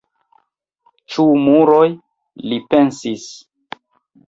"Ĉu muroj?" li pensis.